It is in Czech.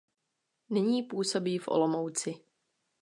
Nyní působí v Olomouci.